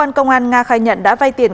hai đứa mình lạ lắm